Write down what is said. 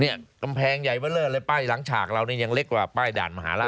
เนี่ยกำแพงใหญ่วะเริ่มเลยป้ายหลังฉากเราเนี่ยยังเล็กกว่าป้ายด่านมหาลาศ